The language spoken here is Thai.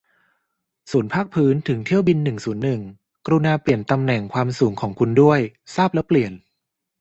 ศูนย์ภาคพื้นถึงเที่ยวบินหนึ่งศูนย์หนึ่ง กรุณาเปลี่ยนตำแหน่งความสูงของคุณด้วย ทราบแล้วเปลี่ยน